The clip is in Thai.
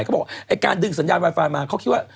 เขาบอกไอ้การดึงสัญญาณไวไฟมาเขาคิดว่า